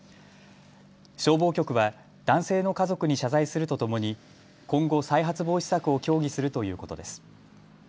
消防局は男性の家族に謝罪するとともに今後、再発防止策を協議するということです。